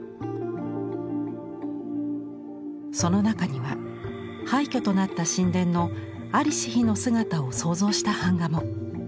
その中には廃虚となった神殿の在りし日の姿を想像した版画も。